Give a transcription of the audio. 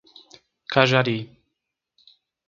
Cajari